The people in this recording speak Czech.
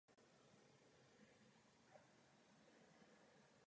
Nicméně boje v omezeném rozsahu pokračovaly.